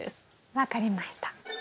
分かりました。